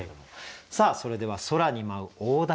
さあそれでは空に舞う大凧